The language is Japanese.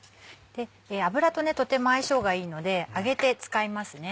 油とねとても相性がいいので揚げて使いますね。